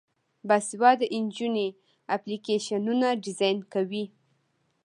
باسواده نجونې اپلیکیشنونه ډیزاین کوي.